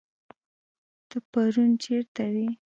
ته پرون چيرته وي